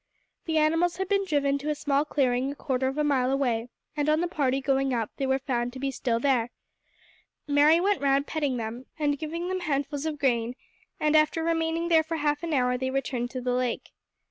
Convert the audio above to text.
The animals had been driven to a small clearing a quarter of a mile away, and on the party going up they were found to be still there. Mary went round petting them and giving them handfuls of grain, and after remaining there for half an hour they returned to the lake.